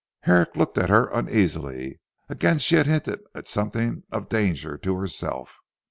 Herrick looked at her uneasily. Again she had hinted at something of danger to herself.